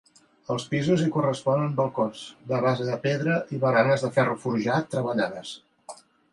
Els pisos hi corresponen balcons, de base de pedra i baranes de ferro forjat treballades.